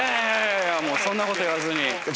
いやいやそんなこと言わずに。